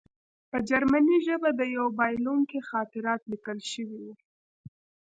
په جرمني ژبه د یوه بایلونکي خاطرات لیکل شوي وو